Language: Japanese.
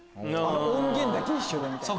音源だけ一緒みたいな。